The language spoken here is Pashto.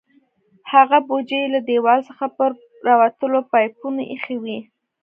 هغه بوجۍ یې له دیوال څخه پر راوتلو پایپونو ایښې وې.